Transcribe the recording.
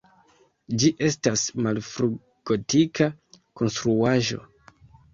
Ĝi estas malfrugotika konstruaĵo.